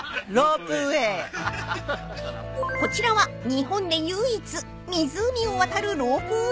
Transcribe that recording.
［こちらは日本で唯一湖を渡るロープウエー］